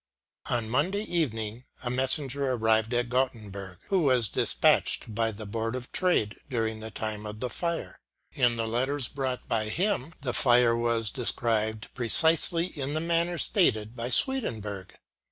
On Monday evening a messenger KANT'S LETTER ON SWEDENBORG. 159 arrived at Gottenburg, who was despatched by the Board of Trade during the time of the fire. In the letters brought by him, the fire was described precisely in the manner stated by Swedenborg.